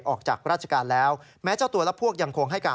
ออกจากราชการแล้วแม้เจ้าตัวและพวกยังคงให้การ